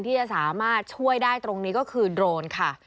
ที่จะสามารถช่วยได้ตรงนี้ก็คือโดรนค่ะ